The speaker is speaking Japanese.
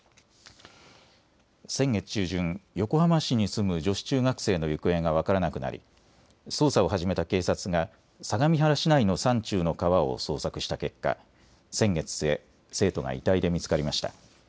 先月中旬、横浜市に住む女子中学生の行方が分からなくなり捜査を始めた警察が相模原市内の山中の川を捜索した結果、先月末、生徒が遺体で見つかりました。